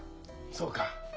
そうか。